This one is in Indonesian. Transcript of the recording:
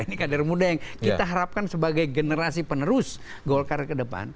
ini kader muda yang kita harapkan sebagai generasi penerus golkar ke depan